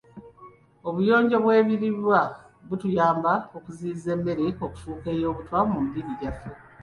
Obuyonjo bw'ebiriibwa butuyamba okuziyiza emmere okufuuka ey'obutwa mu mibiri gyaffe.